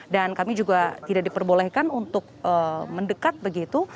dan kami juga tidak diperbolehkan untuk mendekat begitu